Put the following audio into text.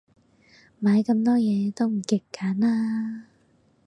買咁多嘢，都唔極簡啦